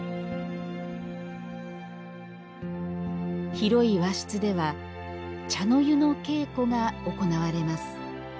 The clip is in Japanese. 広い和室では茶の湯の稽古が行われます。